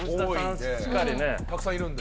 たくさんいるんで。